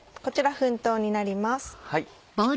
こちら粉糖になります。